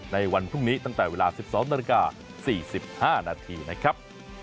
ในวันพรุ่งนี้ตั้งแต่เวลา๑๒นาฬิกา๔๕นาทีนะครับ